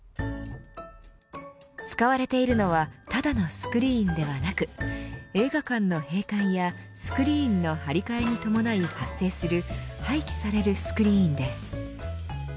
使われているのはただのスクリーンではなく映画館の閉館やスクリーンの張り替えに伴い発生する廃棄されるスクリーンです。